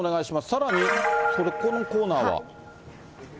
さらに、このコーナーは。